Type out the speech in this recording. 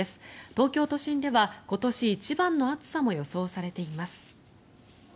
東京都心では今年一番の暑さも予想されています。